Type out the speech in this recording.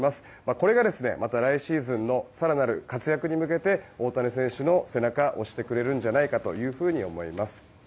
これがまた来シーズンの更なる活躍に向けて大谷選手の背中を押してくれるんじゃないかと思います。